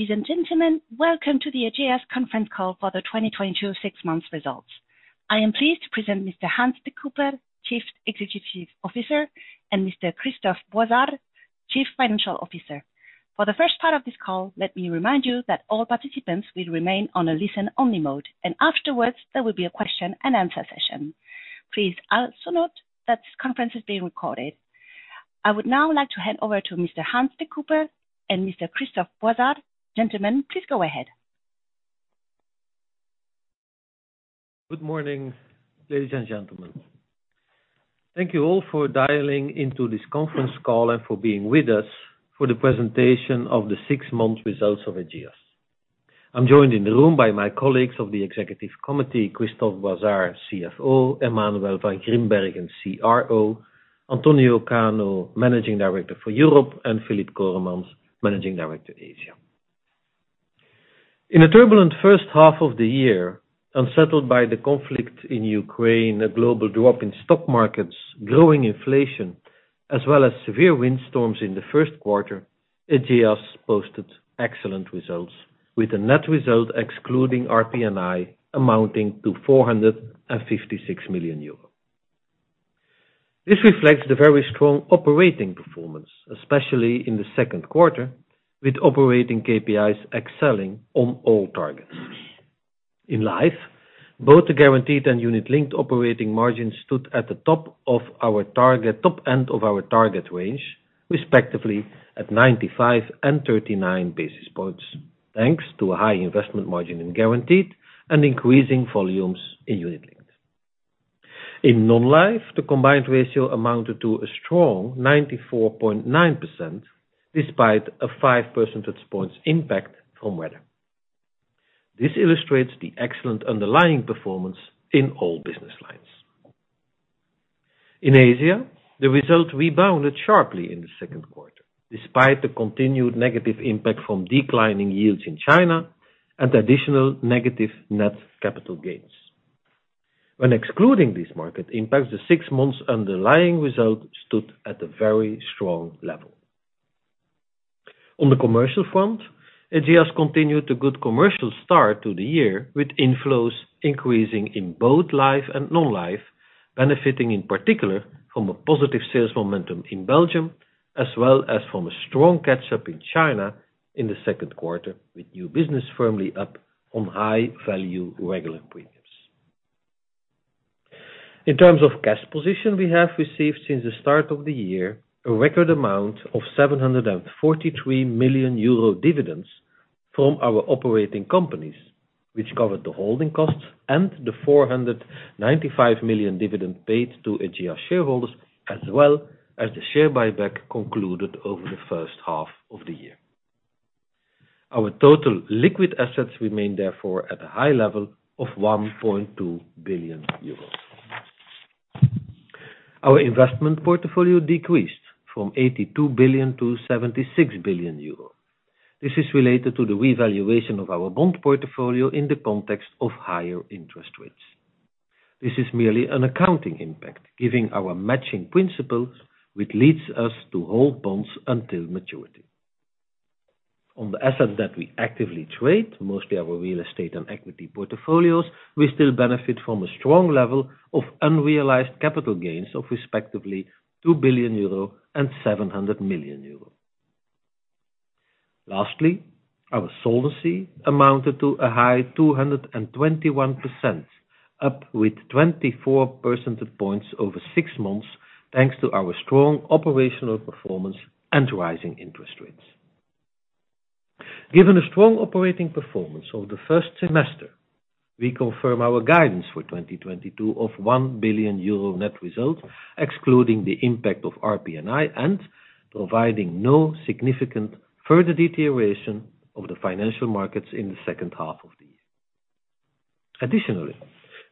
Ladies and gentlemen, welcome to the Ageas conference call for the 2022 six months results. I am pleased to present Mr. Hans De Cuyper, Chief Executive Officer, and Mr. Christophe Boizard, Chief Financial Officer. For the first part of this call, let me remind you that all participants will remain on a listen-only mode, and afterwards, there will be a question-and-answer session. Please also note that the conference is being recorded. I would now like to hand over to Mr. Hans De Cuyper and Mr. Christophe Boizard. Gentlemen, please go ahead. Good morning, ladies and gentlemen. Thank you all for dialing into this conference call and for being with us for the presentation of the six-month results of Ageas. I'm joined in the room by my colleagues of the executive committee, Christophe Boissard, CFO, Emmanuel Van Grimbergen, CRO, António Cano, Managing Director for Europe, and Filip Coremans, Managing Director, Asia. In a turbulent first half of the year, unsettled by the conflict in Ukraine, a global drop in stock markets, growing inflation, as well as severe windstorms in the first quarter, Ageas posted excellent results, with a net result excluding RPNI amounting to 456 million euros. This reflects the very strong operating performance, especially in the second quarter, with operating KPIs excelling on all targets. In Life, both the guaranteed and unit-linked operating margin stood at the top of our target, top end of our target range, respectively at 95 and 39 basis points, thanks to a high investment margin in guaranteed and increasing volumes in unit. In Non-Life, the combined ratio amounted to a strong 94.9%, despite a 5 percentage points impact from weather. This illustrates the excellent underlying performance in all business lines. In Asia, the results rebounded sharply in the second quarter, despite the continued negative impact from declining yields in China and additional negative net capital gains. When excluding these market impacts, the six months underlying results stood at a very strong level. On the commercial front, Ageas continued a good commercial start to the year, with inflows increasing in both Life and Non-Life, benefiting in particular from a positive sales momentum in Belgium, as well as from a strong catch-up in China in the second quarter, with new business firmly up on high-value regular premiums. In terms of cash position, we have received since the start of the year a record amount of 743 million euro dividends from our operating companies, which covered the holding costs and the 495 million dividend paid to Ageas shareholders, as well as the share buyback concluded over the first half of the year. Our total liquid assets remain therefore at a high level of 1.2 billion euros. Our investment portfolio decreased from 82 billion-76 billion euro. This is related to the revaluation of our bond portfolio in the context of higher interest rates. This is merely an accounting impact, given our matching principle, which leads us to hold bonds until maturity. On the assets that we actively trade, mostly our real estate and equity portfolios, we still benefit from a strong level of unrealized capital gains of respectively 2 billion euro and 700 million euro. Lastly, our solvency amounted to a high 221%, up by 24 percentage points over six months, thanks to our strong operational performance and rising interest rates. Given a strong operating performance over the first semester, we confirm our guidance for 2022 of 1 billion euro net result, excluding the impact of RPN(i) and providing no significant further deterioration of the financial markets in the second half of the year. Additionally,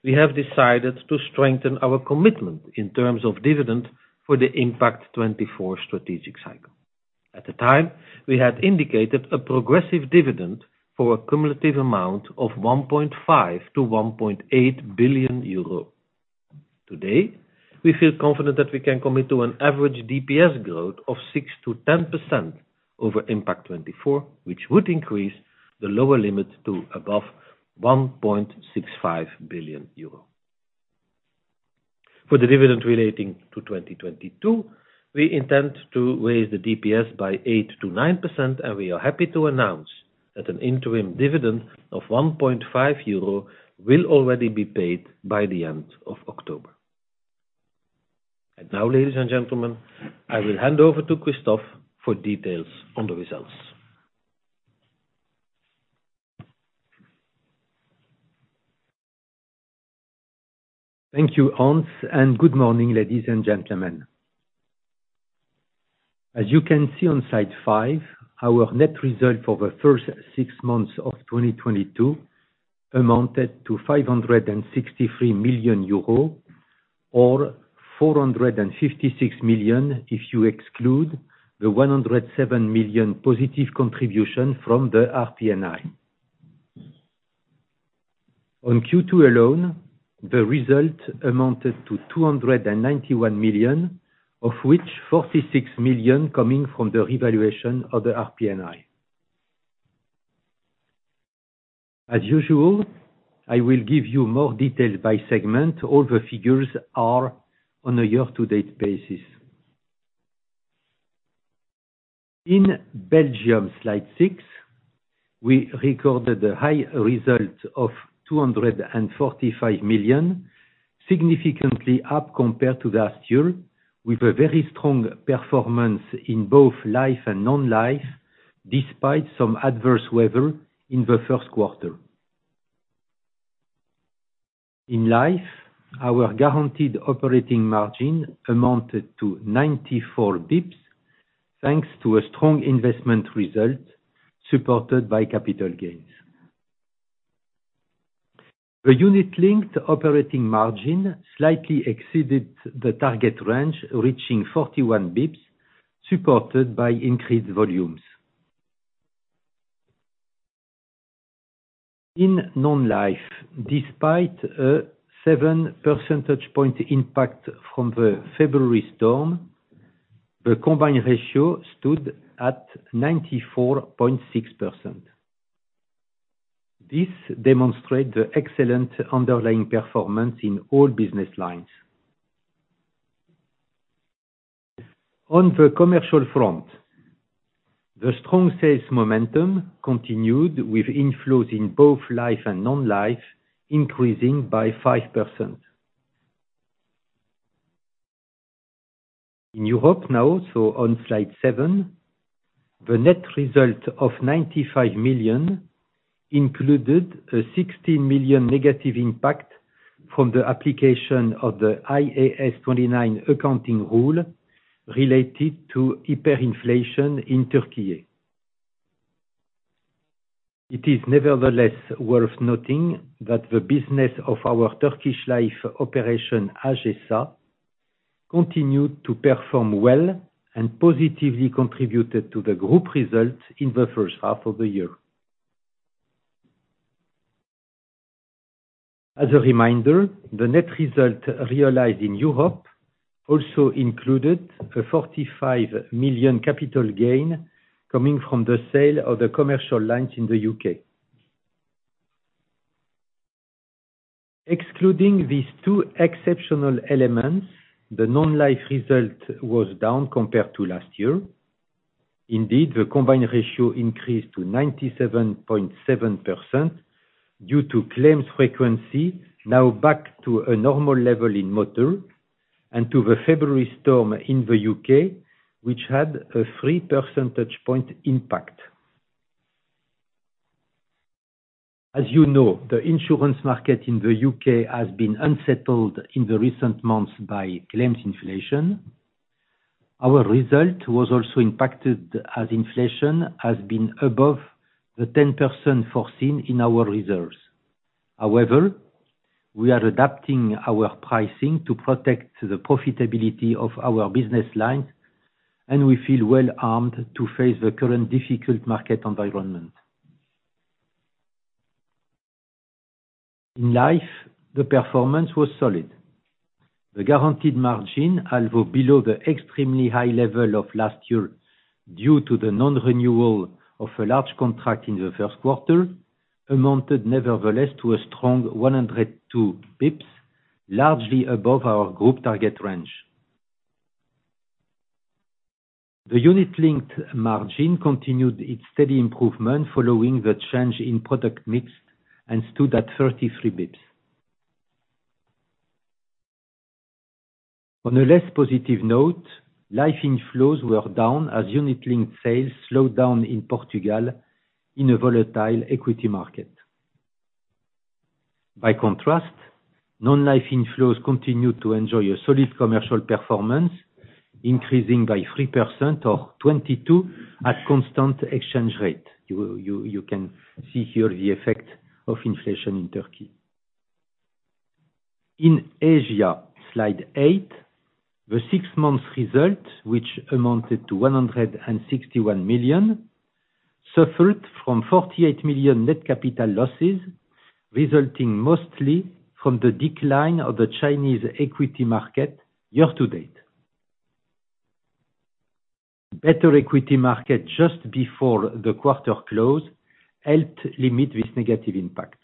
we have decided to strengthen our commitment in terms of dividend for the Impact24 strategic cycle. At the time, we had indicated a progressive dividend for a cumulative amount of 1.5 billion-1.8 billion euro. Today, we feel confident that we can commit to an average DPS growth of 6%-10% over Impact24, which would increase the lower limit to above 1.65 billion euro. For the dividend relating to 2022, we intend to raise the DPS by 8%-9%, and we are happy to announce that an interim dividend of 1.5 euro will already be paid by the end of October. Now, ladies and gentlemen, I will hand over to Christophe for details on the results. Thank you, Hans, and good morning, ladies and gentlemen. As you can see on slide five, our net result for the first six months of 2022 amounted to 563 million euro or 456 million if you exclude the 107 million positive contribution from the RPN(i). On Q2 alone, the result amounted to 291 million, of which 46 million coming from the revaluation of the RPN(i). As usual, I will give you more detail by segment. All the figures are on a year-to-date basis. In Belgium, slide six, we recorded a high result of 245 million, significantly up compared to last year, with a very strong performance in both life and non-life, despite some adverse weather in the first quarter. In life, our guaranteed operating margin amounted to 94 basis points, thanks to a strong investment result supported by capital gains. The unit-linked operating margin slightly exceeded the target range, reaching 41 basis points, supported by increased volumes. In non-life, despite a 7 percentage point impact from the February storm, the combined ratio stood at 94.6%. This demonstrate the excellent underlying performance in all business lines. On the commercial front, the strong sales momentum continued with inflows in both life and non-life increasing by 5%. In Europe now, on slide seven, the net result of 95 million included a 16 million negative impact from the application of the IAS 29 accounting rule related to hyperinflation in Turkey. It is nevertheless worth noting that the business of our Turkish life operation, AgeSA, continued to perform well and positively contributed to the group results in the first half of the year. As a reminder, the net result realized in Europe also included a 45 million capital gain coming from the sale of the commercial lines in the U.K. Excluding these two exceptional elements, the non-life result was down compared to last year. Indeed, the combined ratio increased to 97.7% due to claims frequency now back to a normal level in motor and to the February storm in the U.K., which had a 3 percentage point impact. As you know, the insurance market in the U.K. has been unsettled in the recent months by claims inflation. Our result was also impacted as inflation has been above the 10% foreseen in our reserves. However, we are adapting our pricing to protect the profitability of our business lines, and we feel well-armed to face the current difficult market environment. In life, the performance was solid. The guaranteed margin, although below the extremely high level of last year due to the non-renewal of a large contract in the first quarter, amounted nevertheless to a strong 102 basis points, largely above our group target range. The unit-linked margin continued its steady improvement following the change in product mix and stood at 33 basis points. On a less positive note, life inflows were down as unit-linked sales slowed down in Portugal in a volatile equity market. By contrast, non-life inflows continued to enjoy a solid commercial performance, increasing by 3% or 22% at constant exchange rate. You can see here the effect of inflation in Turkey. In Asia, slide eight, the six-month result, which amounted to 161 million, suffered from 48 million net capital losses, resulting mostly from the decline of the Chinese equity market year-to-date. Better equity market just before the quarter close helped limit this negative impact.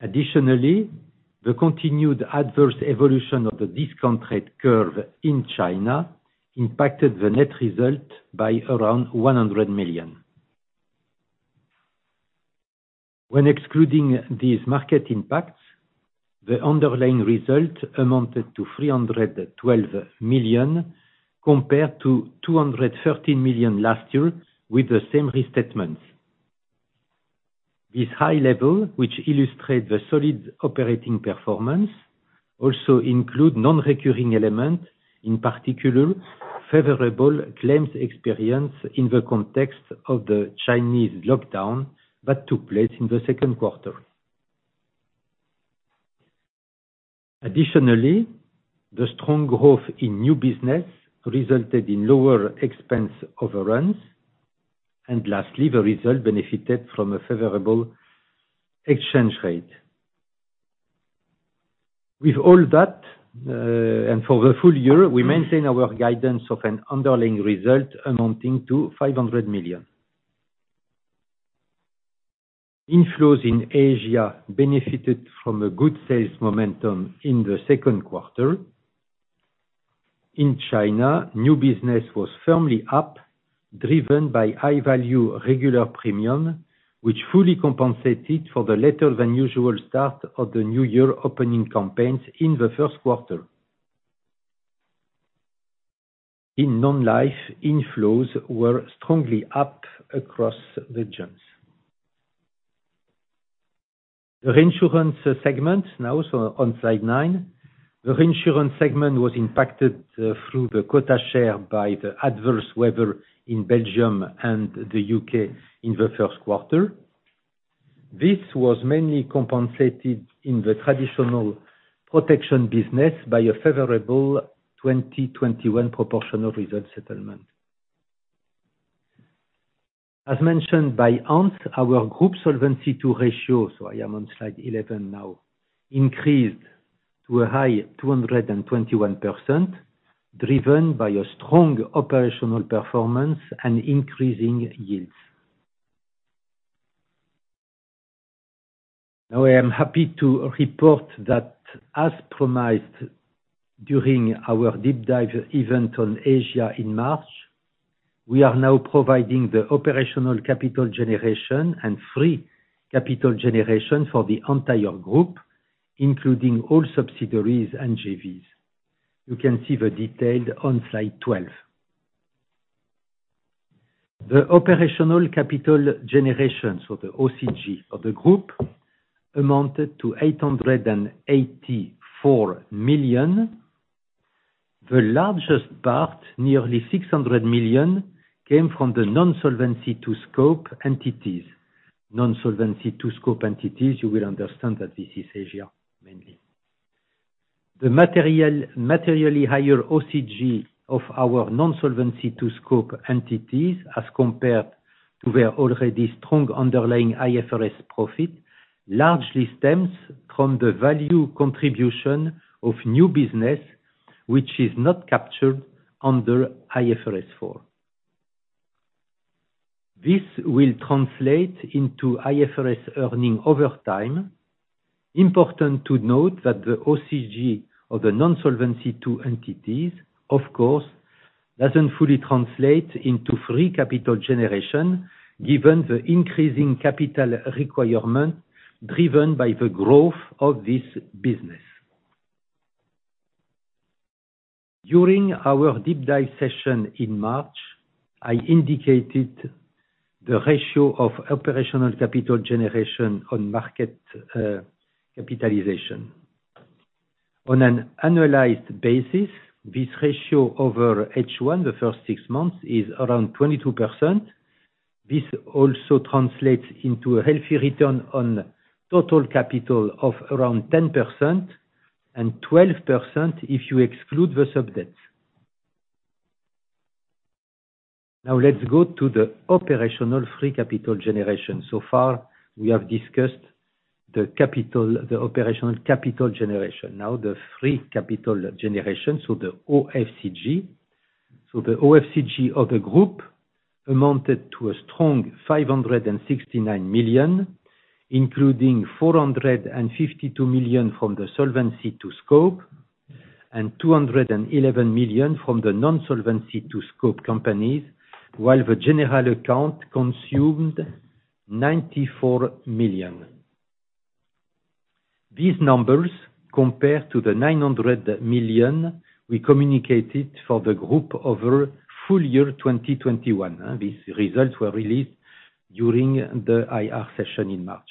Additionally, the continued adverse evolution of the discount rate curve in China impacted the net result by around 100 million. When excluding these market impacts, the underlying result amounted to 312 million compared to 213 million last year with the same restatements. This high level, which illustrate the solid operating performance, also include non-recurring elements, in particular, favorable claims experience in the context of the Chinese lockdown that took place in the second quarter. Additionally, the strong growth in new business resulted in lower expense overruns. Lastly, the result benefited from a favorable exchange rate. With all that, and for the full year, we maintain our guidance of an underlying result amounting to 500 million. Inflows in Asia benefited from a good sales momentum in the second quarter. In China, new business was firmly up, driven by high-value regular premium, which fully compensated for the later than usual start of the new year opening campaigns in the first quarter. In non-life, inflows were strongly up across the board. The reinsurance segment, now shown on slide nine. The reinsurance segment was impacted through the quota share by the adverse weather in Belgium and the U.K. in the first quarter. This was mainly compensated in the traditional protection business by a favorable 2021 proportional result settlement. As mentioned by Hans, our group Solvency II ratio, so I am on slide 11 now, increased to a high 221%, driven by a strong operational performance and increasing yields. I am happy to report that, as promised during our deep dive event on Asia in March, we are now providing the operational capital generation and free capital generation for the entire group, including all subsidiaries and JVs. You can see the details on slide 12. The operational capital generation, so the OCG of the group, amounted to 884 million. The largest part, nearly 600 million, came from the non-Solvency II scope entities. Non-Solvency II scope entities, you will understand that this is Asia mainly. The materially higher OCG of our non-Solvency II scope entities as compared to their already strong underlying IFRS profit largely stems from the value contribution of new business, which is not captured under IFRS 4. This will translate into IFRS earnings over time. Important to note that the OCG of the non-Solvency II entities, of course, doesn't fully translate into free capital generation, given the increasing capital requirement driven by the growth of this business. During our deep dive session in March, I indicated the ratio of operational capital generation on market capitalization. On an annualized basis, this ratio over H1, the first six months, is around 22%. This also translates into a healthy return on total capital of around 10%, and 12% if you exclude the sub debt. Now let's go to the operational free capital generation. So far we have discussed the capital, the operational capital generation. Now the free capital generation, the OFCG. The OFCG of the group amounted to a strong 569 million, including 452 million from the Solvency II scope and 211 million from the non-Solvency II scope companies, while the general account consumed 94 million. These numbers compare to the 900 million we communicated for the group over full year 2021. These results were released during the IR session in March.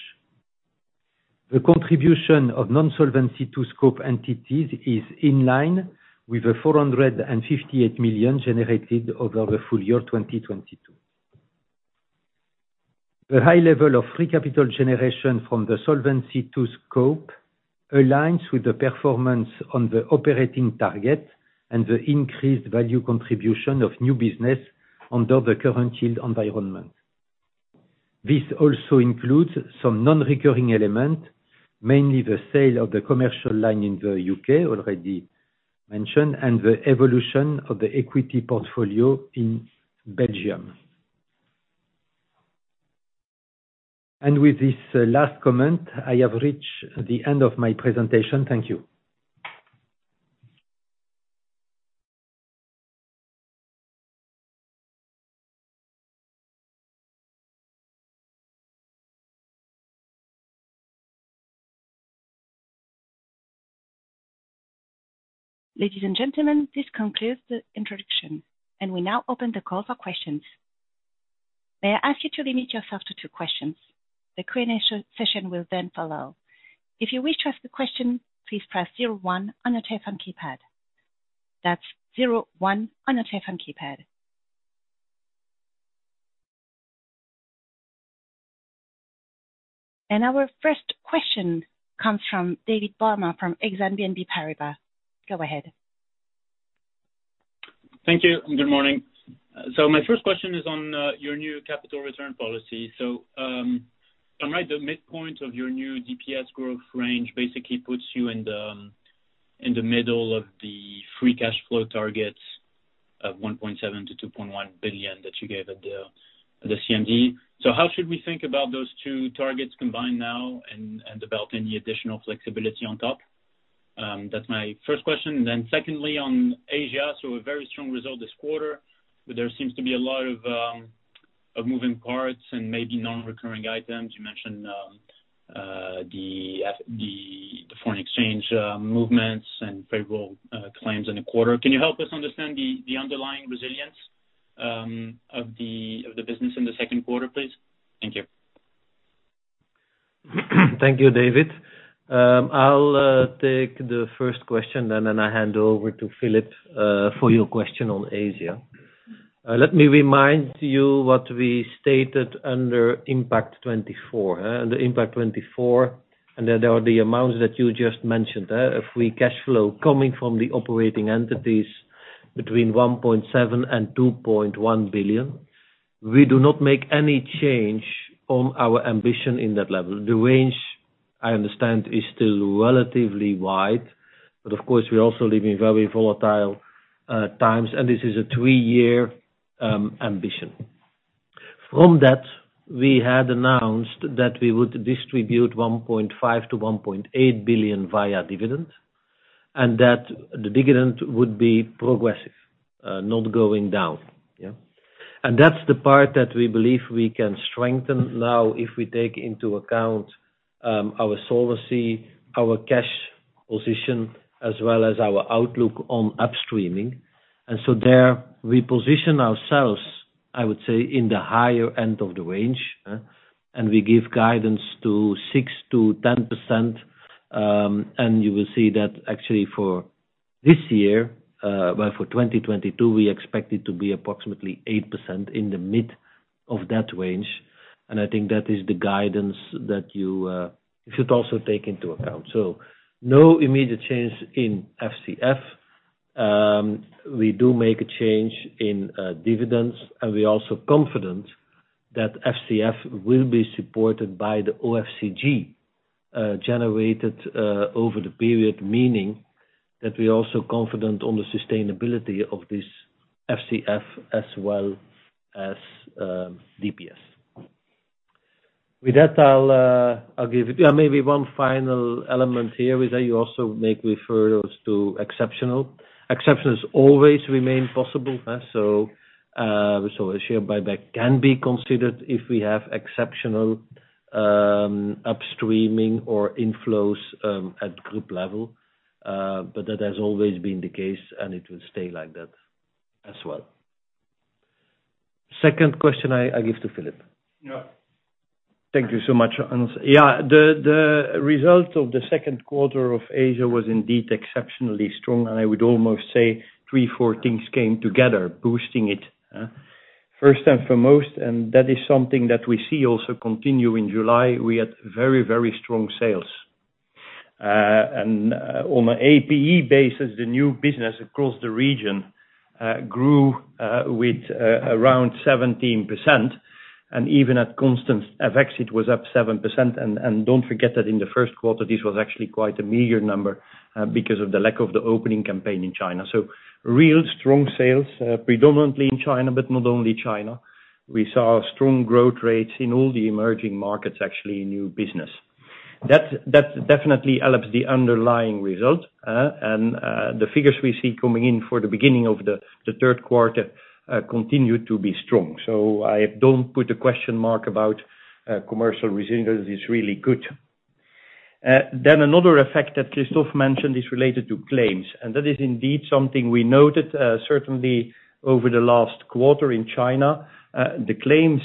The contribution of non-Solvency II scope entities is in line with the 458 million generated over the full year 2022. The high level of free capital generation from the Solvency II scope aligns with the performance on the operating target and the increased value contribution of new business under the current yield environment. This also includes some non-recurring element, mainly the sale of the commercial line in the U.K. already mentioned, and the evolution of the equity portfolio in Belgium. With this last comment, I have reached the end of my presentation. Thank you. Ladies and gentlemen, this concludes the introduction, and we now open the call for questions. May I ask you to limit yourself to two questions. The Q&A session will then follow. If you wish to ask a question, please press zero one on your telephone keypad. That's zero one on your telephone keypad. Our first question comes from David Barma from Exane BNP Paribas. Go ahead. Thank you and good morning. My first question is on your new capital return policy. Am I [right that] the midpoint of your new DPS growth range basically puts you in the middle of the free cash flow targets of 1.7 billion-2.1 billion that you gave at the CMD. How should we think about those two targets combined now and about any additional flexibility on top? That's my first question. Secondly, on Asia. A very strong result this quarter, but there seems to be a lot of moving parts and maybe non-recurring items. You mentioned the foreign exchange movements and favorable claims in the quarter. Can you help us understand the underlying resilience of the business in the second quarter, please? Thank you. Thank you, David. I'll take the first question, and then I hand over to Philip for your question on Asia. Let me remind you what we stated Impact24, and then there are the amounts that you just mentioned of free cash flow coming from the operating entities between 1.7 billion-2.1 billion. We do not make any change on our ambition in that level. The range, I understand, is still relatively wide, but of course, we also live in very volatile times, and this is a three-year ambition. From that, we had announced that we would distribute 1.5 billion-1.8 billion via dividend, and that the dividend would be progressive, not going down. That's the part that we believe we can strengthen now if we take into account our solvency, our cash position, as well as our outlook on upstreaming. There, we position ourselves, I would say, in the higher end of the range, and we give guidance to 6%-10%, and you will see that actually for this year, well, for 2022, we expect it to be approximately 8% in the mid of that range. I think that is the guidance that you should also take into account. No immediate change in FCF. We do make a change in dividends, and we're also confident that FCF will be supported by the OFCG generated over the period, meaning that we're also confident on the sustainability of this FCF as well as DPS. With that, I'll give it. Maybe one final element here is that you also make reference to exceptional. Exceptional always remain possible, so a share buyback can be considered if we have exceptional upstreaming or inflows at group level. But that has always been the case, and it will stay like that as well. Second question I give to Filip. Yeah. Thank you so much. Yeah, the result of the second quarter of Asia was indeed exceptionally strong, and I would almost say three, four things came together, boosting it, first and foremost, and that is something that we see also continue. In July, we had very, very strong sales. On an APE basis, the new business across the region grew with around 17%, and even at constant FX, it was up 7%. Don't forget that in the first quarter, this was actually quite a meager number, because of the lack of the opening campaign in China. Real strong sales, predominantly in China, but not only China. We saw strong growth rates in all the emerging markets, actually, in new business. That definitely helps the underlying result, and the figures we see coming in for the beginning of the third quarter continue to be strong. I don't put a question mark about commercial resilience. It's really good. Another effect that Christophe mentioned is related to claims, and that is indeed something we noted certainly over the last quarter in China. The claims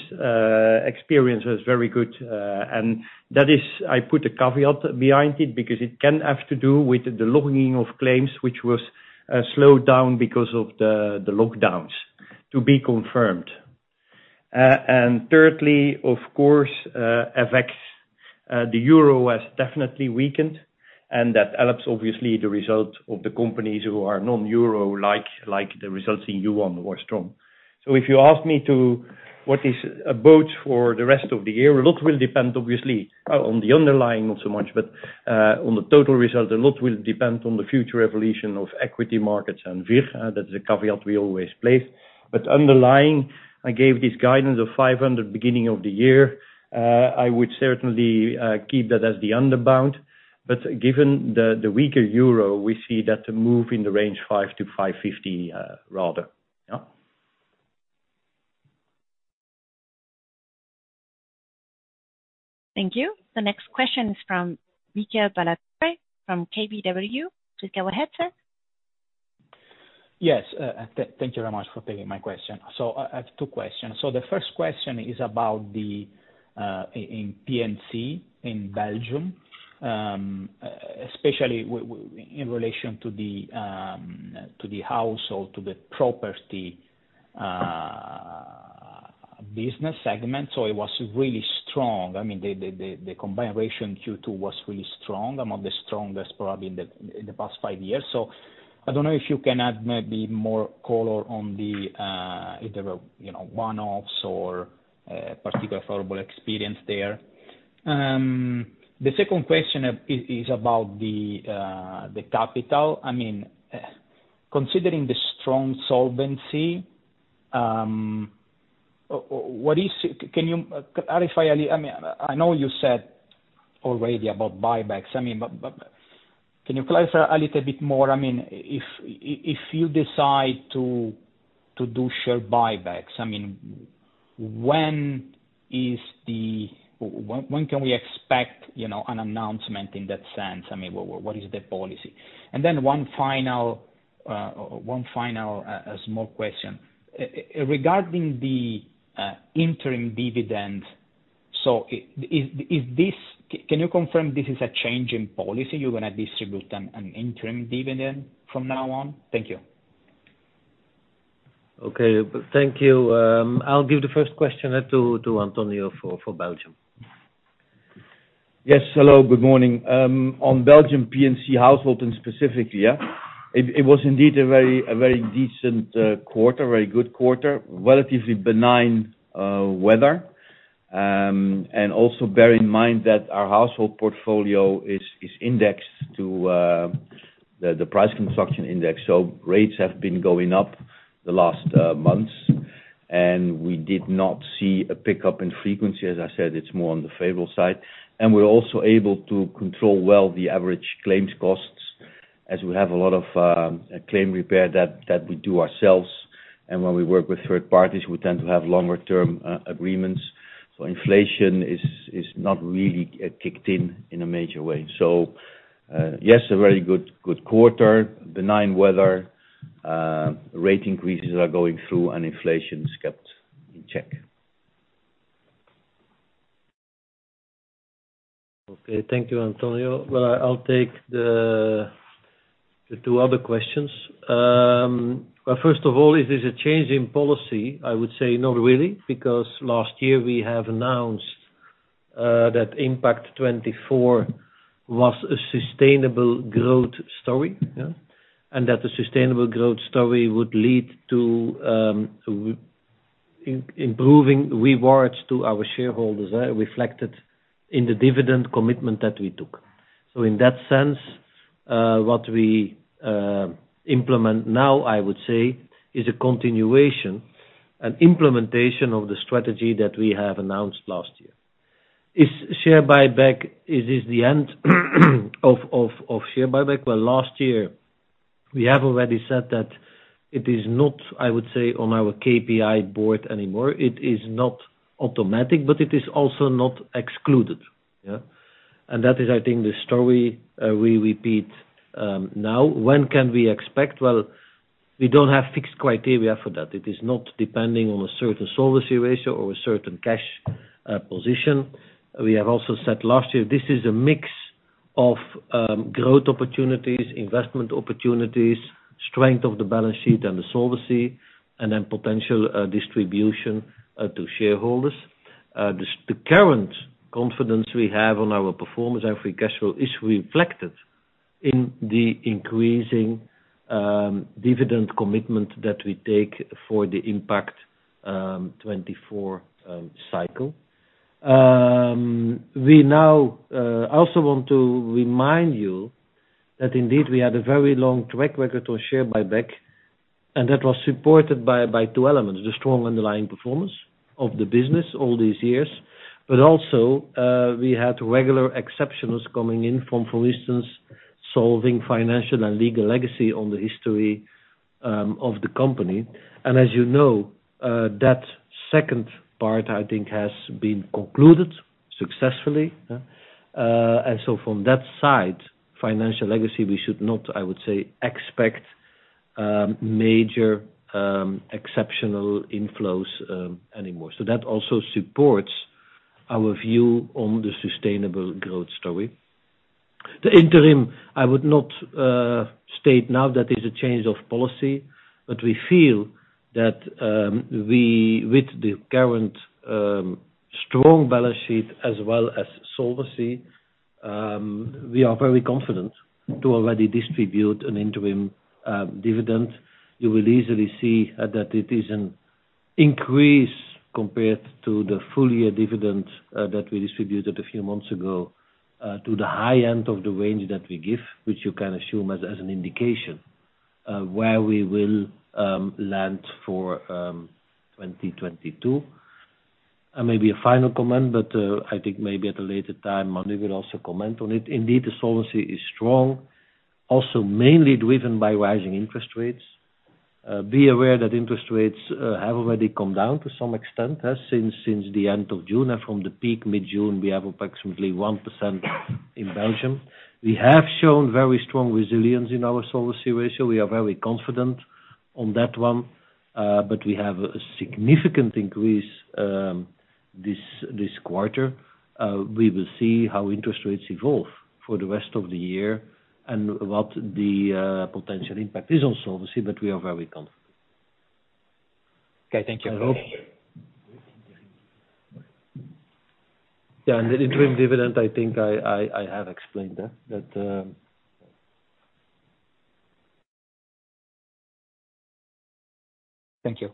experience was very good, and that is, I put a caveat behind it, because it can have to do with the logging of claims, which was slowed down because of the lockdowns to be confirmed. Thirdly, of course, FX, the euro has definitely weakened, and that helps obviously the result of the companies who are non-euro like the results in Yuan were strong. If you ask me what is ahead for the rest of the year, a lot will depend obviously on the underlying, not so much, but on the total result. A lot will depend on the future evolution of equity markets and VIR. That's the caveat we always place. Underlying, I gave this guidance of 500 beginning of the year. I would certainly keep that as the lower bound. Given the weaker euro, we see that move in the range 500-550 rather. Thank you. The next question is from Michele Ballatore from KBW. Please go ahead, sir. Yes. Thank you very much for taking my question. I have two questions. The first question is about the P&C in Belgium, especially in relation to the household, to the property Business segment, it was really strong. I mean, the combined Q2 was really strong, among the strongest probably in the past five years. I don't know if you can add maybe more color on that if there were, you know, one-offs or particularly favorable experience there. The second question is about the capital. I mean, considering the strong solvency, can you clarify a little. I mean, I know you said already about buybacks. I mean, but can you clarify a little bit more, I mean, if you decide to do share buybacks, I mean, when can we expect, you know, an announcement in that sense? I mean, what is the policy? Then one final small question. Regarding the interim dividend, can you confirm this is a change in policy, you're gonna distribute an interim dividend from now on? Thank you. Okay. Thank you. I'll give the first question to António for Belgium. Yes. Hello. Good morning. On Belgian P&C household and specifically, yeah, it was indeed a very decent quarter, very good quarter. Relatively benign weather. Also bear in mind that our household portfolio is indexed to the construction price index. Rates have been going up the last months, and we did not see a pickup in frequency. As I said, it's more on the favorable side. We're also able to control well the average claims costs as we have a lot of claims repair that we do ourselves. When we work with third parties, we tend to have longer term agreements. Inflation is not really kicked in in a major way. Yes, a very good quarter. Benign weather, rate increases are going through, and inflation's kept in check. Okay. Thank you, António. Well, I'll take the two other questions. Well, first of all, is this a change in policy? I would say not really, because last year we have announced that Impact24 was a sustainable growth story, yeah? And that the sustainable growth story would lead to improving rewards to our shareholders, reflected in the dividend commitment that we took. In that sense, what we implement now, I would say, is a continuation, an implementation of the strategy that we have announced last year. Is this the end of share buyback? Well, last year we have already said that it is not, I would say, on our KPI board anymore. It is not automatic, but it is also not excluded. Yeah? That is, I think, the story we repeat now. When can we expect? Well, we don't have fixed criteria for that. It is not depending on a certain solvency ratio or a certain cash position. We have also said last year, this is a mix of growth opportunities, investment opportunities, strength of the balance sheet and the solvency, and then potential distribution to shareholders. The current confidence we have on our performance and free cash flow is reflected in the increasing dividend commitment that we take for the Impact24 cycle. We now also want to remind you that indeed we had a very long track record on share buyback, and that was supported by two elements, the strong underlying performance of the business all these years. We had regular exceptionals coming in from, for instance, resolving financial and legal legacy in the history of the company. As you know, that second part, I think, has been concluded successfully. From that side, financial legacy, we should not, I would say, expect major exceptional inflows anymore. That also supports our view on the sustainable growth story. The interim, I would not state now that is a change of policy, but we feel that, with the current strong balance sheet as well as solvency, we are very confident to already distribute an interim dividend. You will easily see that it is an increase compared to the full year dividend that we distributed a few months ago to the high end of the range that we give, which you can assume as an indication where we will land for 2022. Maybe a final comment, but I think maybe at a later time, Monique will also comment on it. Indeed, the solvency is strong, also mainly driven by rising interest rates. Be aware that interest rates have already come down to some extent since the end of June, and from the peak mid-June, we have approximately 1% in Belgium. We have shown very strong resilience in our solvency ratio. We are very confident on that one. We have a significant increase this quarter. We will see how interest rates evolve for the rest of the year and what the potential impact is on Solvency, but we are very confident. Okay. Thank you. Yeah. The interim dividend, I think I have explained that. Thank you.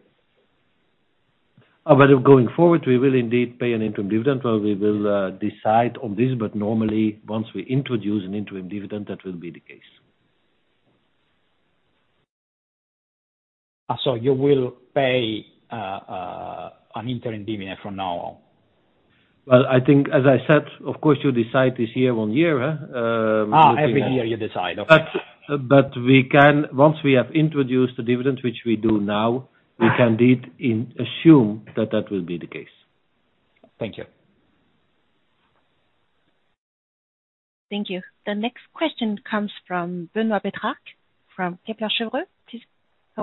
Going forward, we will indeed pay an interim dividend. Well, we will decide on this, but normally, once we introduce an interim dividend, that will be the case. You will pay an interim dividend from now on? Well, I think as I said, of course you decide this year, one year. Every year you decide. Okay. Once we have introduced a dividend, which we do now, we can indeed assume that that will be the case. Thank you. Thank you. The next question comes from Benoît Pétrarque from Kepler Cheuvreux. Please go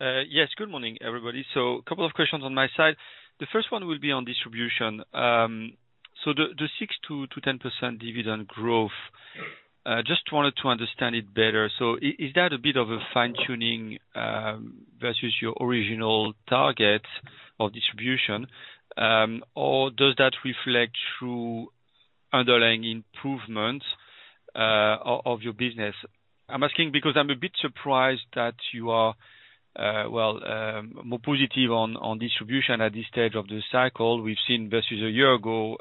ahead. Yes. Good morning, everybody. Couple of questions on my side. The first one will be on distribution. The 6%-10% dividend growth, just wanted to understand it better. Is that a bit of a fine-tuning versus your original target or distribution, or does that reflect through underlying improvements of your business? I'm asking because I'm a bit surprised that you are, well, more positive on distribution at this stage of the cycle. We've seen versus a year ago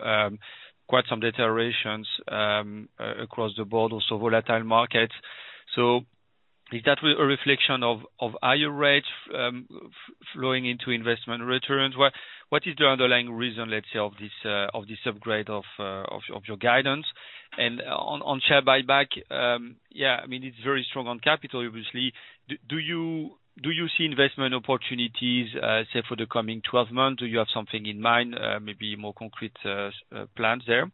quite some deteriorations across the board, also volatile markets. Is that a reflection of higher rates flowing into investment returns? What is the underlying reason, let's say, of this upgrade of your guidance? On share buyback, yeah, I mean, it's very strong on capital, obviously. Do you see investment opportunities, say, for the coming 12 months? Do you have something in mind, maybe more concrete, plans there?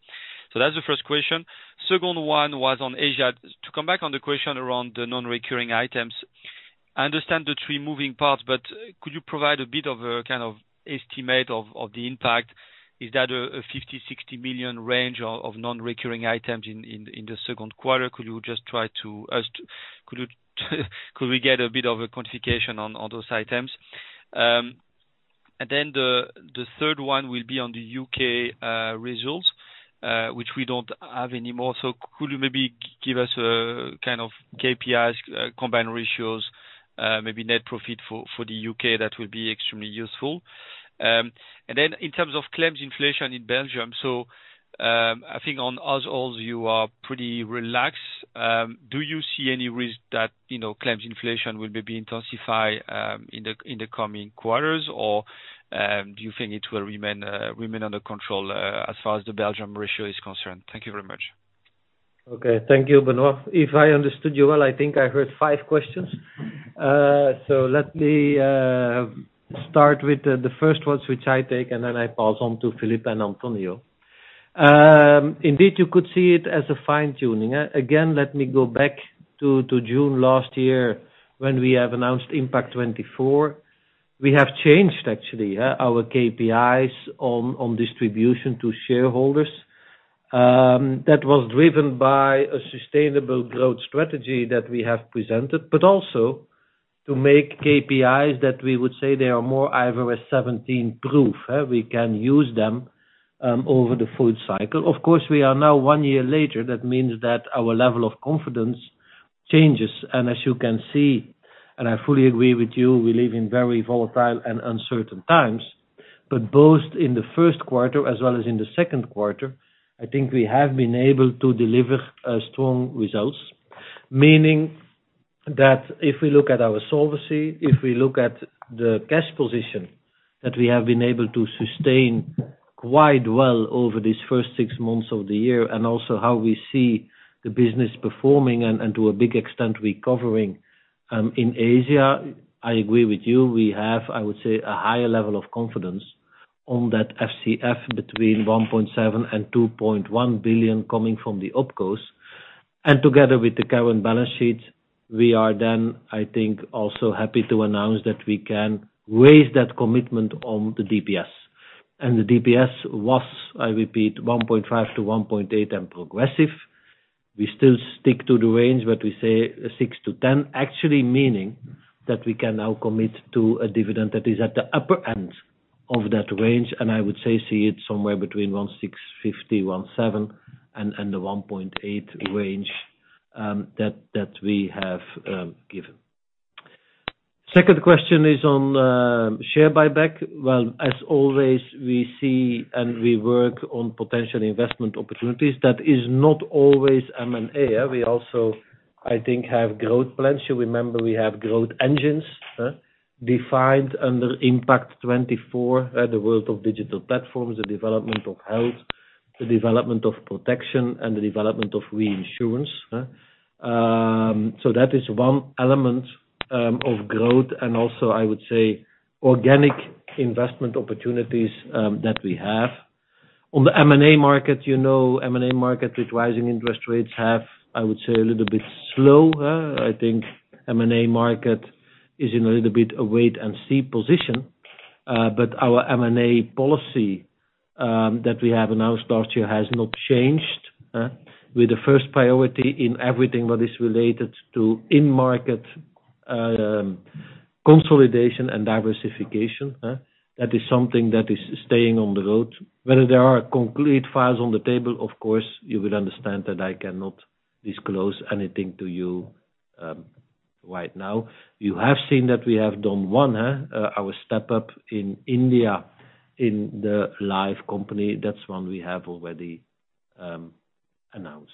So that's the first question. Second one was on Asia. To come back on the question around the non-recurring items, I understand the three moving parts, but could you provide a bit of a, kind of estimate of the impact? Is that a 50 million-60 million range of non-recurring items in the second quarter? Could we get a bit of a quantification on those items? And then the third one will be on the U.K. results, which we don't have anymore. Could you maybe give us kind of KPIs, combined ratios, maybe net profit for the U.K.? That would be extremely useful. And then in terms of claims inflation in Belgium, I think overall you are pretty relaxed. Do you see any risk that, you know, claims inflation will maybe intensify in the coming quarters? Or, do you think it will remain under control, as far as the Belgian ratio is concerned? Thank you very much. Okay. Thank you, Benoit. If I understood you well, I think I heard five questions. So let me start with the first ones, which I take, and then I pass on to Philippe and António. Indeed, you could see it as a fine-tuning. Again, let me go back to June last year when we have announced Impact24. We have changed, actually, our KPIs on distribution to shareholders. That was driven by a sustainable growth strategy that we have presented, but also to make KPIs that we would say they are more IFRS 17 proof, we can use them over the full cycle. Of course, we are now one year later. That means that our level of confidence changes. As you can see, and I fully agree with you, we live in very volatile and uncertain times. Both in the first quarter as well as in the second quarter, I think we have been able to deliver strong results. Meaning that if we look at our solvency, if we look at the cash position that we have been able to sustain quite well over these first six months of the year, and also how we see the business performing and to a big extent recovering in Asia, I agree with you, we have, I would say, a higher level of confidence on that FCF between 1.7 billion-2.1 billion coming from the OpCos. Together with the current balance sheet, we are then, I think, also happy to announce that we can raise that commitment on the DPS. The DPS was, I repeat, 1.5-1.8 and progressive. We still stick to the range, but we say 6-10, actually meaning that we can now commit to a dividend that is at the upper end of that range, and I would say see it somewhere between 1.65, 1.7, and the 1.8 range, that we have given. Second question is on share buyback. Well, as always, we see and we work on potential investment opportunities. That is not always M&A. We also, I think, have growth plans. You remember we have growth engines defined under Impact24, the world of digital platforms, the development of health, the development of protection, and the development of reinsurance. That is one element of growth and also I would say organic investment opportunities that we have. On the M&A market, you know, with rising interest rates have, I would say, a little bit slower. I think M&A market is in a little bit a wait and see position. Our M&A policy that we have announced last year has not changed, with the first priority in everything that is related to in-market, consolidation and diversification, that is something that is staying on the road. Whether there are concrete files on the table, of course, you will understand that I cannot disclose anything to you, right now. You have seen that we have done one, our step up in India in the life company. That's one we have already announced.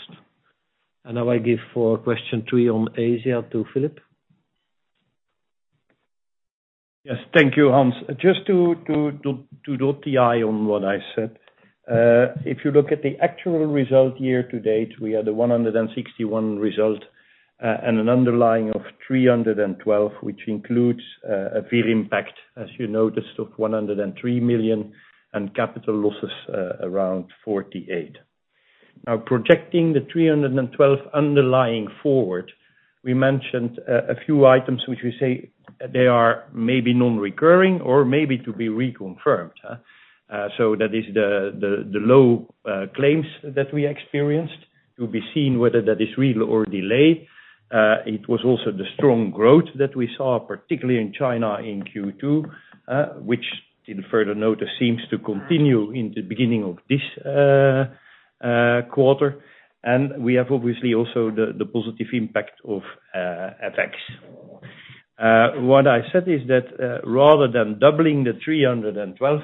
Now I give for question three on Asia to Filip. Yes. Thank you, Hans. Just to dot the i on what I said. If you look at the actual result year-to-date, we are at 161 result, and an underlying of 312, which includes a fair impact, as you noticed, of 103 million and capital losses around 48. Now projecting the 312 underlying forward, we mentioned a few items which we say they are maybe non-recurring or maybe to be reconfirmed. That is the low claims that we experienced to be seen whether that is real or delayed. It was also the strong growth that we saw, particularly in China in Q2, which in further notice seems to continue in the beginning of this quarter. We have obviously also the positive impact of FX. What I said is that, rather than doubling the 312,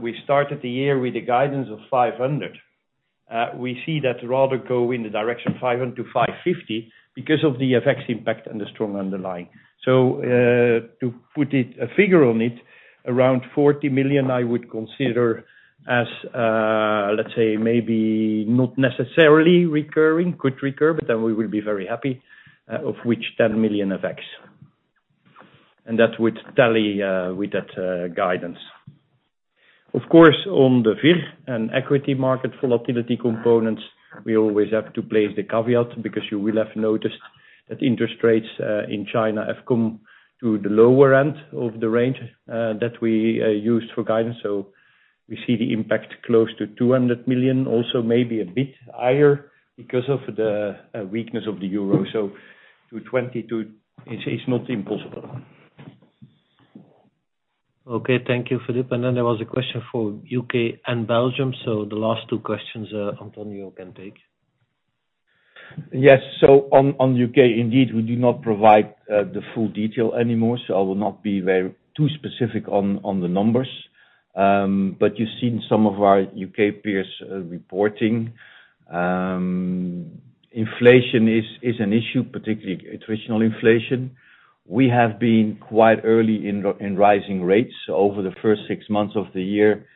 we started the year with a guidance of 500. We see that rather go in the direction 500-550 because of the FX impact and the strong underlying. To put a figure on it, around 40 million, I would consider as, let's say maybe not necessarily recurring, could recur, but then we will be very happy, of which 10 million FX. That would tally with that guidance. Of course, on the VIR and equity market volatility components, we always have to place the caveat because you will have noticed that interest rates in China have come to the lower end of the range that we used for guidance. We see the impact close to 200 million, also maybe a bit higher because of the weakness of the euro. 222 million is not impossible. Okay. Thank you, Filip. There was a question for U.K. and Belgium. The last two questions, António can take. Yes. On U.K. indeed we do not provide the full detail anymore, so I will not be too specific on the numbers. You've seen some of our U.K. peers reporting. Inflation is an issue, particularly attritional inflation. We have been quite early in rising rates over the first six months of the year.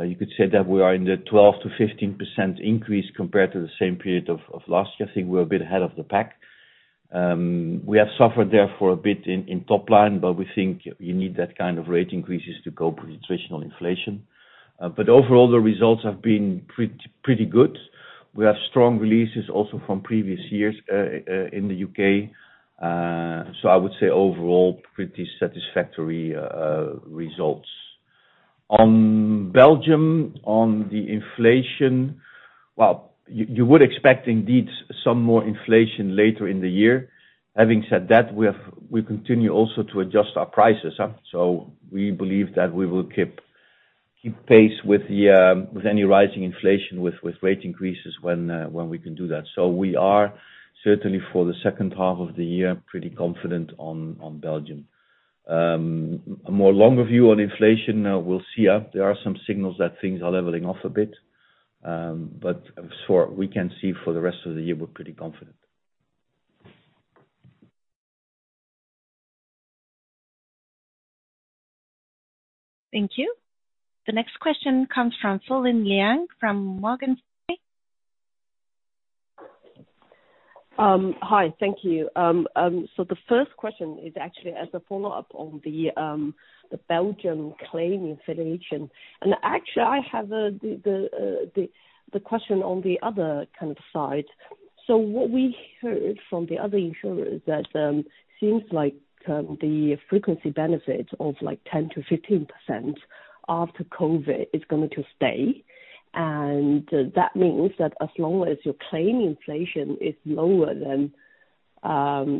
You could say that we are in the 12%-15% increase compared to the same period of last year. I think we're a bit ahead of the pack. We have suffered therefore a bit in top line, but we think you need that kind of rate increases to cope with attritional inflation. Overall the results have been pretty good. We have strong releases also from previous years in the U.K. I would say overall pretty satisfactory results. On Belgium, on the inflation, well, you would expect indeed some more inflation later in the year. Having said that, we continue also to adjust our prices. We believe that we will keep pace with any rising inflation with rate increases when we can do that. We are certainly for the second half of the year, pretty confident on Belgium. A more longer view on inflation, we'll see, there are some signals that things are leveling off a bit. As far as we can see for the rest of the year, we're pretty confident. Thank you. The next question comes from Fulin Liang from Morgan Stanley. Hi. Thank you. The first question is actually as a follow-up on the Belgium claim inflation. Actually I have the question on the other kind of side. What we heard from the other insurers that seems like the frequency benefits of like 10%-15% after COVID is going to stay. That means that as long as your claim inflation is lower than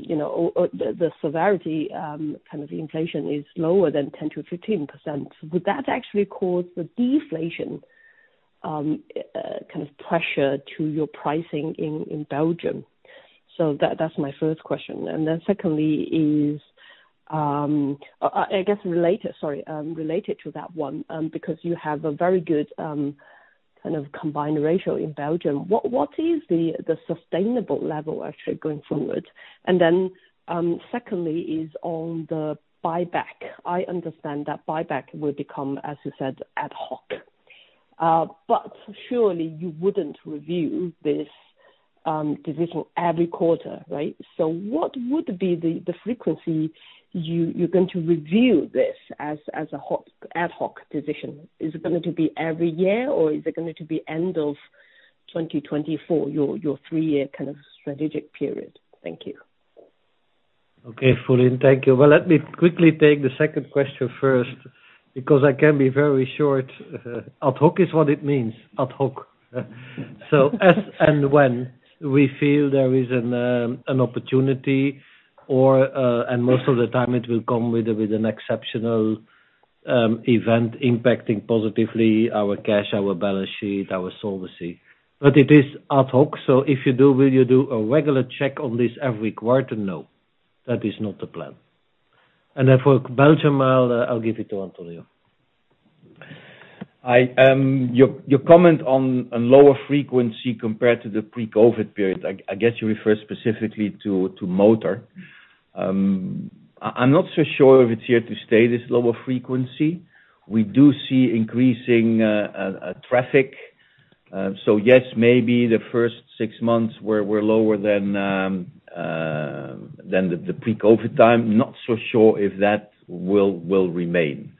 you know, or the severity kind of inflation is lower than 10%-15%, would that actually cause the deflation kind of pressure to your pricing in Belgium? That's my first question. Secondly is, I guess related, sorry, related to that one, because you have a very good kind of combined ratio in Belgium. What is the sustainable level actually going forward? Secondly is on the buyback. I understand that buyback will become, as you said, ad hoc. But surely you wouldn't review this decision every quarter, right? What would be the frequency you're going to review this as ad hoc decision? Is it going to be every year or is it going to be end of 2024, your three-year kind of strategic period? Thank you. Okay, Fulin. Thank you. Well, let me quickly take the second question first because I can be very short. Ad hoc is what it means, ad hoc. So as and when we feel there is an opportunity or and most of the time it will come with an exceptional event impacting positively our cash, our balance sheet, our solvency. But it is ad hoc, so if you do, will you do a regular check on this every quarter? No. That is not the plan. Then for Belgium, I'll give it to António. Your comment on lower frequency compared to the pre-COVID period, I guess you refer specifically to motor. I'm not so sure if it's here to stay, this lower frequency. We do see increasing traffic. So yes, maybe the first six months were lower than the pre-COVID time. Not so sure if that will remain.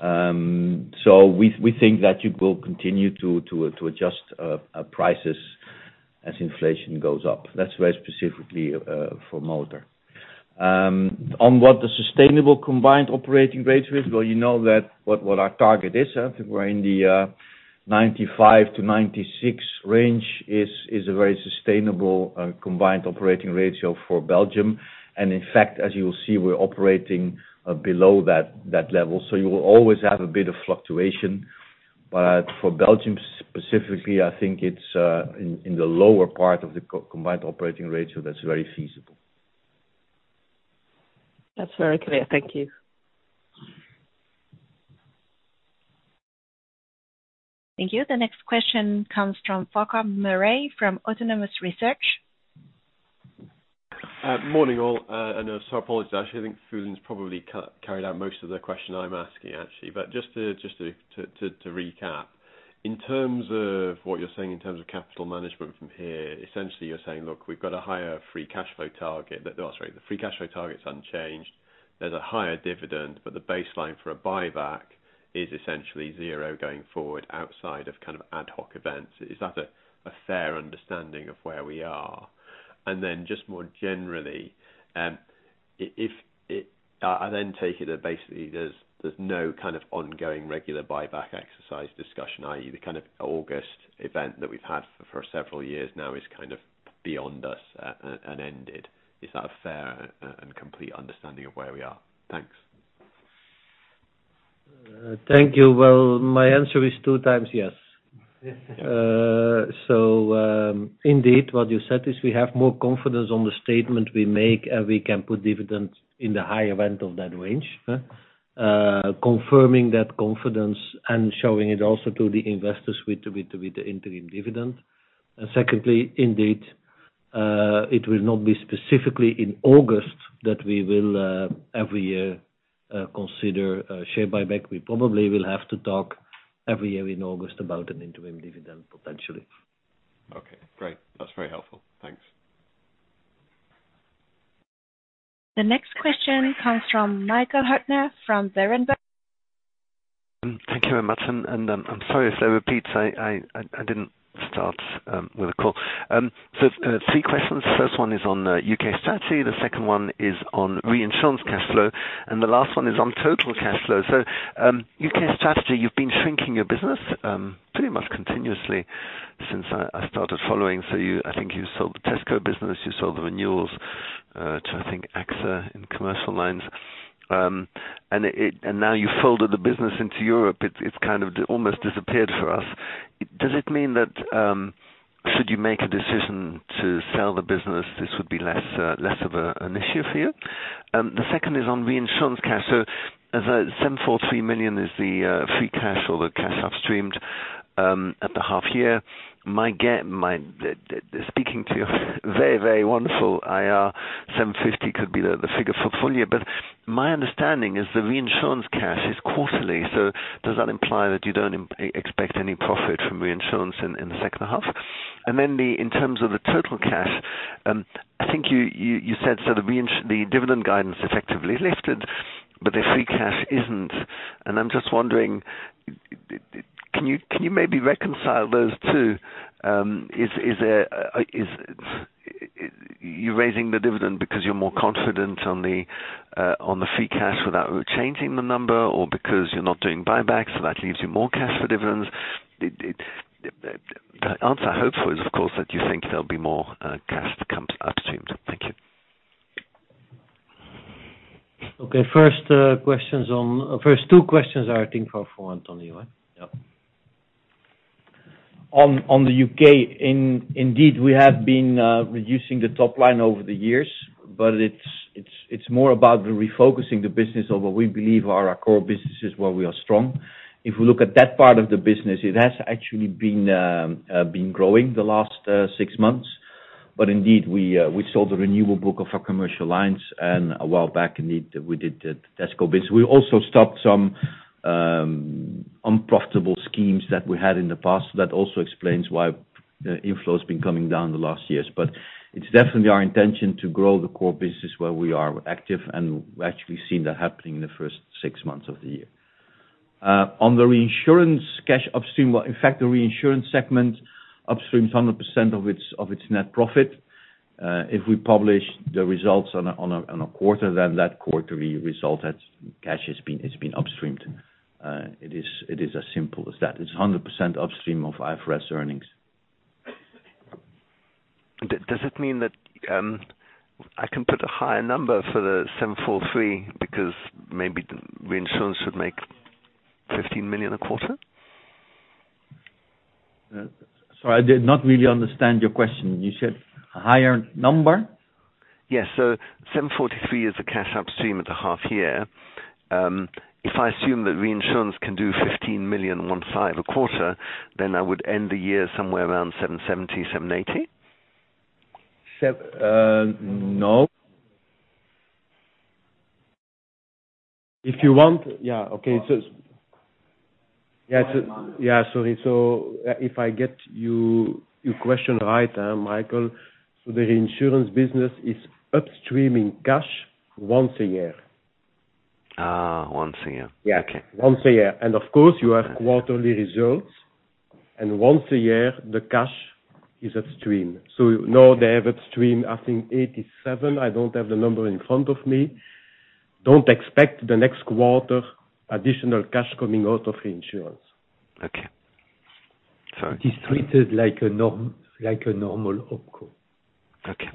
So we think that you will continue to adjust prices as inflation goes up. That's very specifically for motor. On what the sustainable combined ratio is, well, you know what our target is. I think the 95%-96% range is a very sustainable combined ratio for Belgium. In fact, as you'll see, we're operating below that level. You will always have a bit of fluctuation. For Belgium specifically, I think it's in the lower part of the combined operating ratio that's very feasible. That's very clear. Thank you. Thank you. The next question comes from Farquhar Murray from Autonomous Research. Morning, all. Apologies actually, I think Fulin's probably carried out most of the question I'm asking actually. Just to recap. In terms of what you're saying in terms of capital management from here, essentially you're saying, "Look, we've got a higher free cash flow target." Oh, sorry. The free cash flow target's unchanged. There's a higher dividend, but the baseline for a buyback is essentially zero going forward outside of kind of ad hoc events. Is that a fair understanding of where we are? Then just more generally, if I then take it that basically there's no kind of ongoing regular buyback exercise discussion, i.e. the kind of August event that we've had for several years now is kind of beyond us and ended. Is that a fair and complete understanding of where we are? Thanks. Thank you. Well, my answer is 2x yes. Indeed what you said is we have more confidence on the statement we make, and we can put dividends in the high end of that range, huh? Confirming that confidence and showing it also to the investors with the interim dividend. Secondly, indeed, it will not be specifically in August that we will every year consider a share buyback. We probably will have to talk every year in August about an interim dividend potentially. Okay, great. That's very helpful. Thanks. The next question comes from Michael Huttner from Berenberg. Thank you very much. I'm sorry if there are repeats. I didn't start with a call. Three questions. First one is on U.K. strategy, the second one is on reinsurance cash flow, and the last one is on total cash flow. U.K. strategy, you've been shrinking your business pretty much continuously since I started following. I think you sold the Tesco business, you sold the renewals to I think AXA in commercial lines. Now you folded the business into Europe. It's kind of almost disappeared for us. Does it mean that should you make a decision to sell the business, this would be less of an issue for you? The second is on reinsurance cash. The 743 million is the free cash or the cash upstreamed at the half year. Speaking to very wonderful IR, 750 million could be the figure for full year. My understanding is the reinsurance cash is quarterly. Does that imply that you don't expect any profit from reinsurance in the second half? In terms of the total cash, I think you said the dividend guidance effectively lifted, but the free cash isn't. I'm just wondering, can you maybe reconcile those two? You're raising the dividend because you're more confident on the free cash without changing the number or because you're not doing buybacks, so that leaves you more cash for dividends. The answer I hope for is, of course, that you think there'll be more cash to come upstreamed. Thank you. Okay. First two questions are, I think, for Antonio. Yeah. In the U.K., indeed, we have been reducing the top line over the years, but it's more about refocusing the business on what we believe are our core businesses where we are strong. If we look at that part of the business, it has actually been growing the last six months. Indeed, we sold the renewal book of our Commercial Lines, and a while back, indeed, we did the Tesco biz. We also stopped some. Unprofitable schemes that we had in the past. That also explains why inflow has been coming down the last years. It's definitely our intention to grow the core business where we are active, and we're actually seeing that happening in the first six months of the year. On the reinsurance cash upstream, well, in fact, the reinsurance segment upstreams 100% of its net profit. If we publish the results on a quarter, then that quarterly result's cash has been upstreamed. It is as simple as that. It's 100% upstream of IFRS earnings. Does it mean that I can put a higher number for the 743 because maybe the reinsurance should make 15 million a quarter? I did not really understand your question. You said a higher number? Yes. 743 is the cash upstream at the half year. If I assume that reinsurance can do 15 million, 15 a quarter, then I would end the year somewhere around 770, 780. No. If you want. Yeah. Okay. So Yeah. Sorry. If I get your question right, Michael. The reinsurance business is upstreaming cash once a year. Once a year. Yeah. Okay. Once a year. Of course you have quarterly results, and once a year the cash is upstreamed. You know they have upstreamed, I think 87. I don't have the number in front of me. Don't expect the next quarter additional cash coming out of reinsurance. Okay. It is treated like a norm, like a normal OpCo. Okay.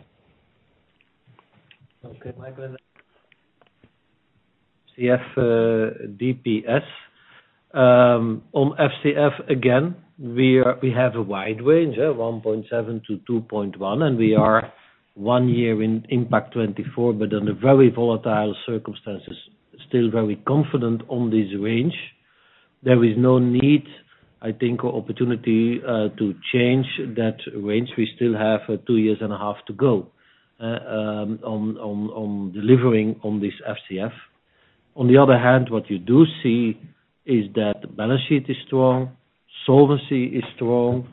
Okay, Michael. CF, DPS. On FCF, again, we have a wide range, 1.7-2.1, and we are one year in Impact24, but in very volatile circumstances, still very confident on this range. There is no need, I think, or opportunity, to change that range. We still have two years and a half to go, on delivering on this FCF. On the other hand, what you do see is that the balance sheet is strong, solvency is strong,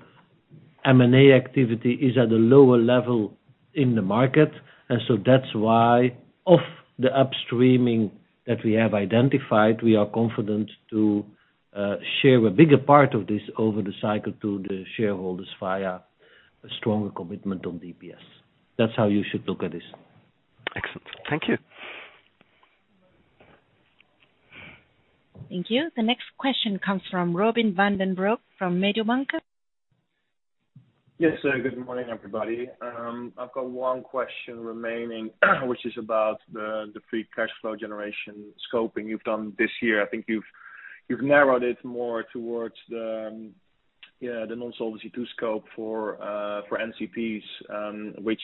M&A activity is at a lower level in the market. That's why of the upstreaming that we have identified, we are confident to share a bigger part of this over the cycle to the shareholders via a stronger commitment on DPS. That's how you should look at this. Excellent. Thank you. Thank you. The next question comes from Robin van den Broek from Mediobanca. Yes. Good morning, everybody. I've got one question remaining, which is about the free cash flow generation scoping you've done this year. I think you've narrowed it more towards the non-Solvency II scope for NCPs, which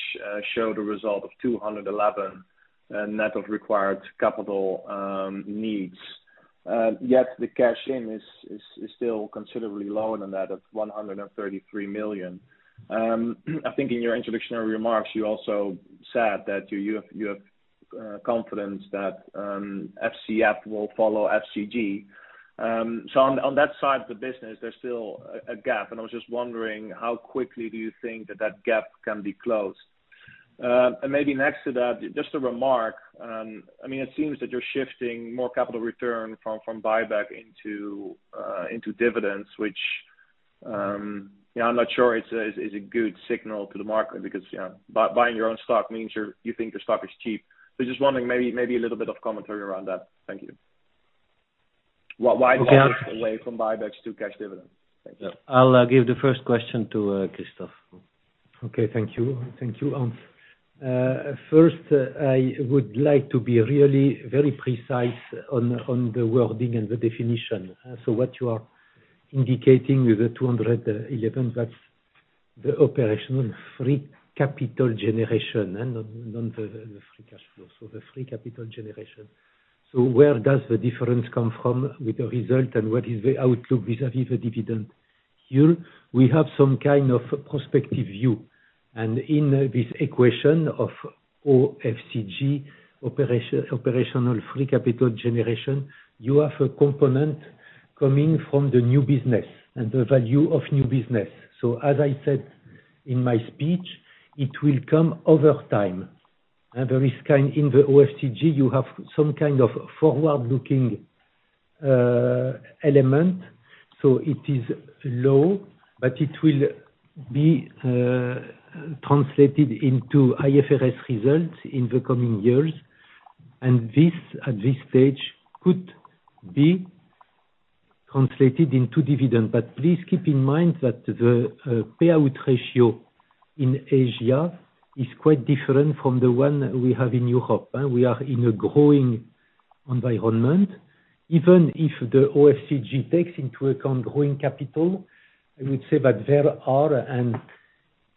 showed a result of 211 million net of required capital needs. Yet the cash in is still considerably lower than that of 133 million. I think in your introductory remarks you also said that you have confidence that FCF will follow FCG. So on that side of the business, there's still a gap, and I was just wondering how quickly do you think that gap can be closed? Maybe next to that, just a remark, I mean, it seems that you're shifting more capital return from buyback into dividends, which, I'm not sure it's a good signal to the market because, you know, buying your own stock means you're, you think your stock is cheap. So just wondering maybe a little bit of commentary around that. Thank you. Why move- Okay. away from buybacks to cash dividends? Thank you. I'll give the first question to Christophe. Okay. Thank you. Thank you, Hans. First, I would like to be really very precise on the wording and the definition. What you are indicating with the 211, that's the operational free capital generation and not the free cash flow. The free capital generation. Where does the difference come from with the result, and what is the outlook vis-à-vis the dividend? Here we have some kind of prospective view. In this equation of OFCG, operational free capital generation, you have a component coming from the new business and the value of new business. As I said in my speech, it will come over time. There is kind in the OFCG, you have some kind of forward-looking element. It is low, but it will be translated into IFRS results in the coming years. This, at this stage could be translated into dividend. Please keep in mind that the payout ratio in Asia is quite different from the one we have in Europe. We are in a growing environment. Even if the OFCG takes into account growing capital, I would say that there are, and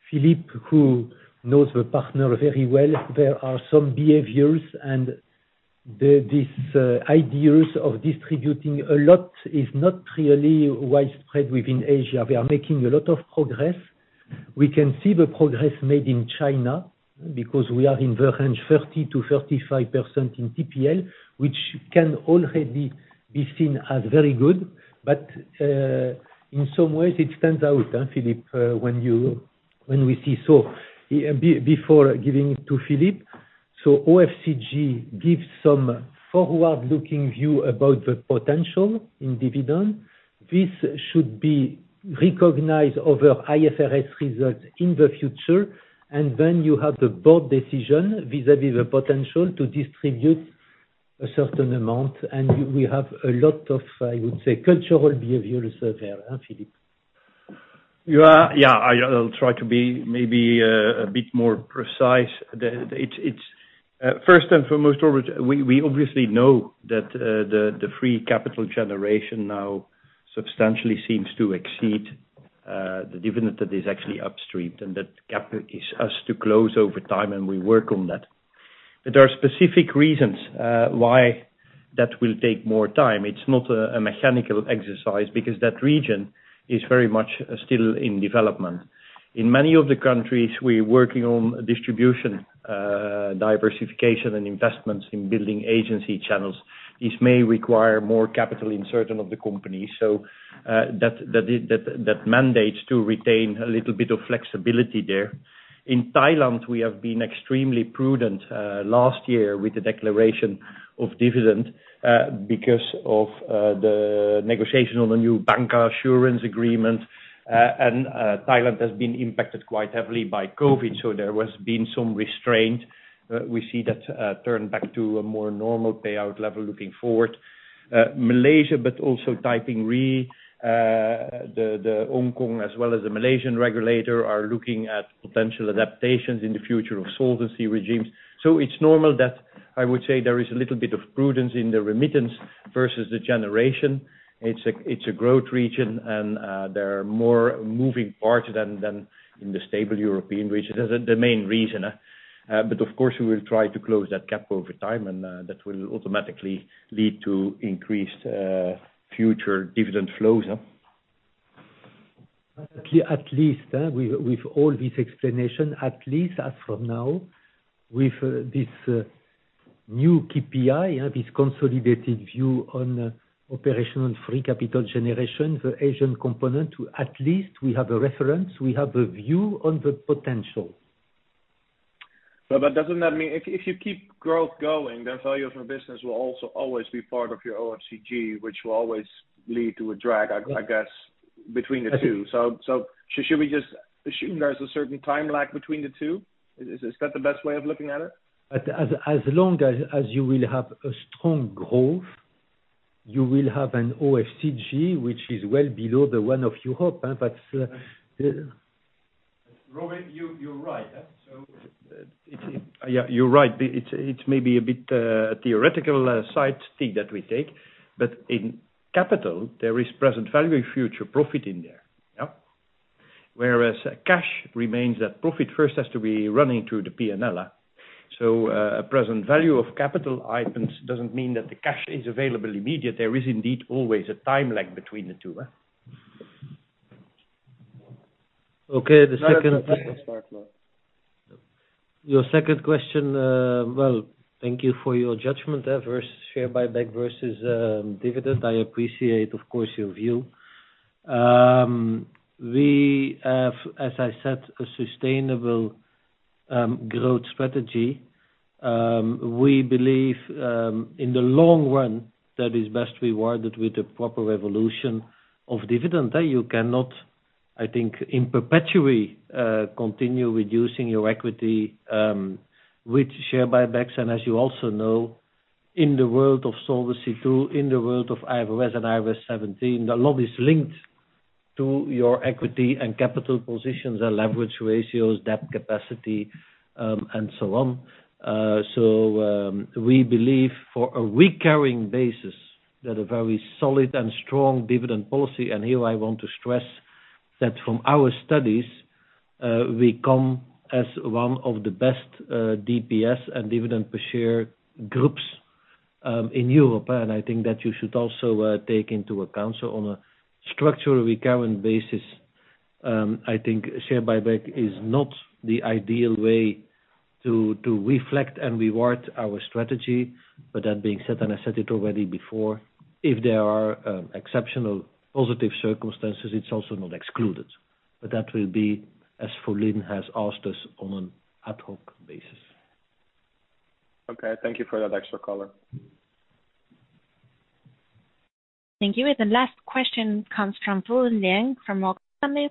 Filip Coremans, who knows the partner very well, some behaviors, and these ideas of distributing a lot is not really widespread within Asia. We are making a lot of progress. We can see the progress made in China because we are in the range 30%-35% in TPL, which can already be seen as very good. In some ways it stands out, Filip Coremans, when you, when we see. Before giving to Filip. OFCG gives some forward-looking view about the potential in dividend. This should be recognized over IFRS results in the future. Then you have the board decision vis-à-vis the potential to distribute a certain amount. We have a lot of, I would say, cultural behavior reserve there, huh, Philippe? I'll try to be maybe a bit more precise. It's first and foremost, Robin, we obviously know that the free capital generation now substantially seems to exceed the dividend that is actually upstream, and that gap is up to us to close over time, and we work on that. There are specific reasons why that will take more time. It's not a mechanical exercise because that region is very much still in development. In many of the countries, we're working on distribution, diversification and investments in building agency channels. This may require more capital in certain of the companies. That mandates to retain a little bit of flexibility there. In Thailand, we have been extremely prudent last year with the declaration of dividend because of the negotiation on the new bancassurance agreement. Thailand has been impacted quite heavily by COVID, so there has been some restraint. We see that turn back to a more normal payout level looking forward. Malaysia, but also Taipei Re, the Hong Kong as well as the Malaysian regulator are looking at potential adaptations in the future of solvency regimes. It's normal that, I would say, there is a little bit of prudence in the remittance versus the generation. It's a growth region and there are more moving parts than in the stable European region. That's the main reason. Of course, we will try to close that gap over time, and that will automatically lead to increased future dividend flows. At least, with all this explanation, at least as from now with this new KPI, you have this consolidated view on operation and free capital generation, the Asian component, at least we have a reference, we have a view on the potential. Doesn't that mean if you keep growth going, that value of a business will also always be part of your OFCG, which will always lead to a drag, I guess, between the two. Should we just assume there's a certain time lag between the two? Is that the best way of looking at it? As long as you will have a strong growth, you will have an OFCG, which is well below the one of Europe, but Robin, you're right. Yeah, you're right. But it's, it may be a bit theoretical side thing that we take, but in capital there is present value and future profit in there. Yeah. Whereas cash remains that profit first has to be running through the PNL. So, a present value of capital items doesn't mean that the cash is available immediate. There is indeed always a time lag between the two. Okay. The second Your second question, well, thank you for your judgment, versus share buyback versus, dividend. I appreciate, of course, your view. We have, as I said, a sustainable, growth strategy. We believe, in the long run that is best rewarded with the proper evolution of dividend. You cannot, I think, in perpetuity, continue reducing your equity, with share buybacks. As you also know, in the world of Solvency II, in the world of IFRS and IFRS 17, a lot is linked to your equity and capital positions and leverage ratios, debt capacity, and so on. So, we believe for a recurring basis that a very solid and strong dividend policy, and here I want to stress that from our studies, we come as one of the best, DPS and dividend per share groups, in Europe. I think that you should also take into account. On a structural recurring basis, I think share buyback is not the ideal way to reflect and reward our strategy. That being said, and I said it already before, if there are exceptional positive circumstances, it's also not excluded. That will be, as Fulin has asked us, on an ad hoc basis. Okay. Thank you for that extra color. Thank you. The last question comes from Fulin Liang from Morgan Stanley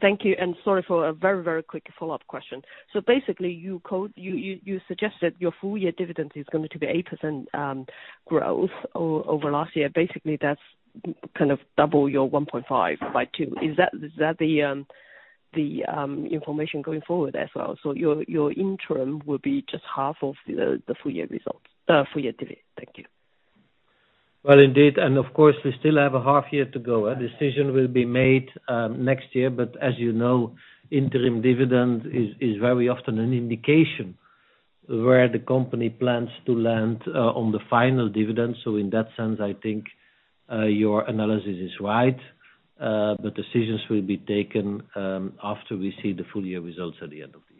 Thank you, and sorry for a very, very quick follow-up question. So basically you suggested your full year dividend is going to be 8% growth over last year. Basically, that's kind of double your 1.5 by two. Is that the information going forward as well? So your interim will be just half of the full year results, full year dividend. Thank you. Well, indeed. Of course, we still have a half year to go. A decision will be made next year. As you know, interim dividend is very often an indication Where the company plans to land on the final dividend. In that sense, I think your analysis is right. But decisions will be taken after we see the full year results at the end of the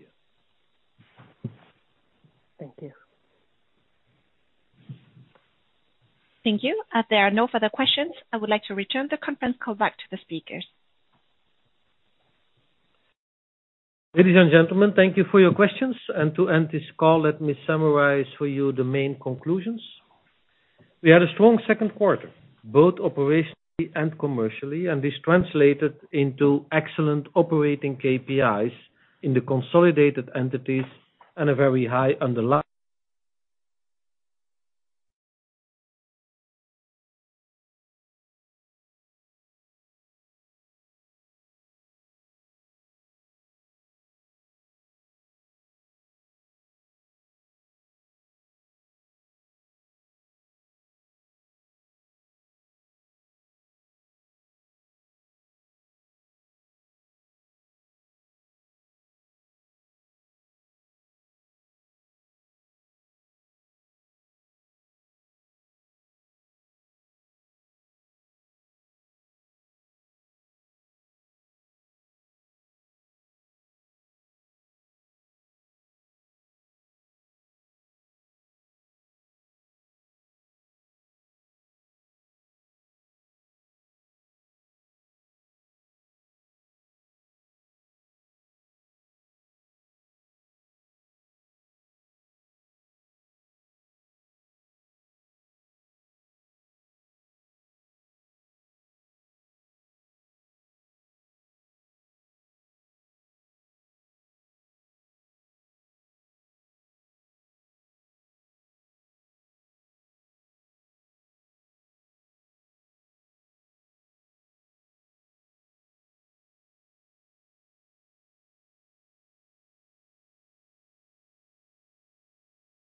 year. Thank you. As there are no further questions, I would like to return the conference call back to the speakers. Ladies and gentlemen, thank you for your questions. To end this call, let me summarize for you the main conclusions. We had a strong second quarter, both operationally and commercially, and this translated into excellent operating KPIs in the consolidated entities and a very high underlying.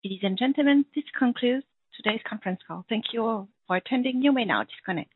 Ladies and gentlemen, this concludes today's conference call. Thank you all for attending. You may now disconnect.